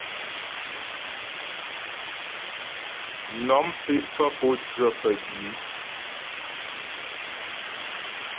Nɔ̀m pé pfə́ pǒtsə pə́jwǐ.